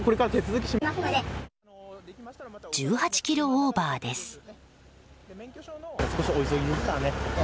１８キロオーバーです。